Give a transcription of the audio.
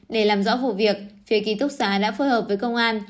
để làm rõ vụ việc phía ký túc xá đã phối hợp với công an